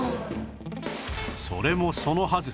それもそのはず